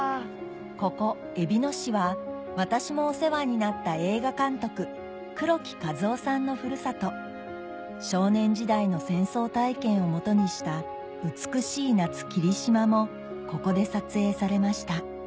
ここえびの市は私もお世話になった映画監督のふるさと少年時代の戦争体験をもとにしたもここで撮影されました